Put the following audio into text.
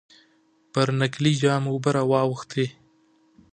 پر نکلي جام اوبه را واوښتې.